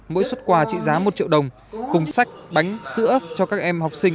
mỗi xuất quà trị giá một triệu đồng cùng sách bánh sữa cho các em học sinh